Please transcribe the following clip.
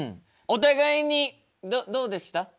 お互いにどうでした？